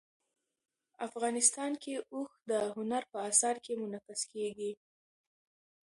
افغانستان کې اوښ د هنر په اثار کې منعکس کېږي.